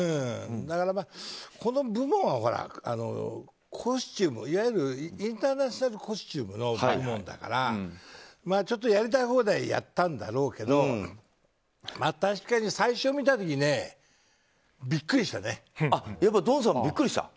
この部門はいわゆるインターナショナル・コスチュームの部門だからちょっとやりたい放題やったんだろうけどまあ、確かに最初見た時ドンさんもビックリした？